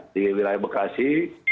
di wilayah bekasi